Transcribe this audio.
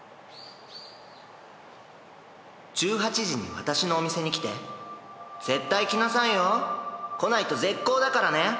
「１８時に私のお店に来て」「絶対来なさいよ。来ないと絶交だからね」